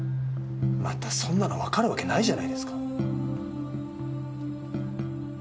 またそんなのわかるわけないじゃないですか。